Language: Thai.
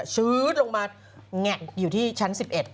ซื้อลงมาแงะอยู่ที่ชั้น๑๑